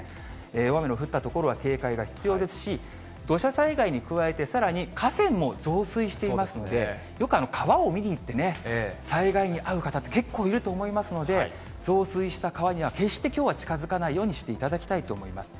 大雨の降った所は警戒が必要ですし、土砂災害に加えて、さらに河川も増水していますので、よく川を見に行ってね、災害に遭う方って結構いると思いますので、増水した川には決してきょうは近づかないようにしていただきたいと思います。